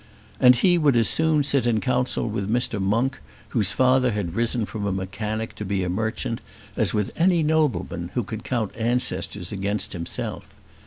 And he would as soon sit in counsel with Mr. Monk, whose father had risen from a mechanic to be a merchant, as with any nobleman who could count ancestors against himself.